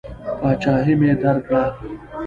پاچهي مې درکړه.